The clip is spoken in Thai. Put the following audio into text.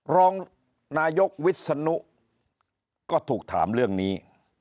รองนายกวิศนุก็ถูกถามเรื่องนี้